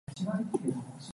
盛惠港幣三千圓正